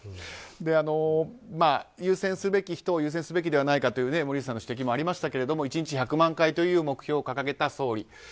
優先すべき人を優先すべきではないかという森内さんの指摘もありましたが１日１００万回という目標を掲げた総理。